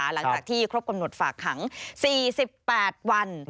หลังจากที่ครบกำหนดฝากขัง๔๘วัน